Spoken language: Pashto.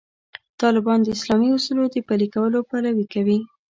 طالبان د اسلامي اصولو د پلي کولو پلوي کوي.